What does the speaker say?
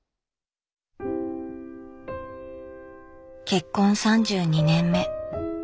結婚３２年目。